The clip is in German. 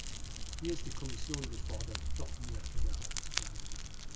Hier ist die Kommission gefordert, doch mehr Fälle aufzugreifen.